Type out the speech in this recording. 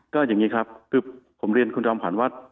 ก็อย่างนี้ครับคือผมเรียนคุณจอมขวัญว่า